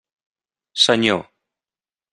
Senyor.